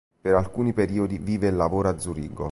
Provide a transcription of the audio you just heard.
Per alcuni periodi vive e lavora a Zurigo.